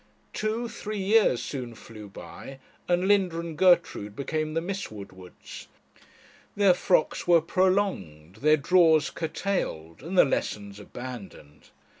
Two three years soon flew by, and Linda and Gertrude became the Miss Woodwards; their frocks were prolonged, their drawers curtailed, and the lessons abandoned.